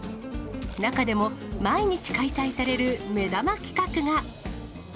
中でも、毎日開催される目玉企画が。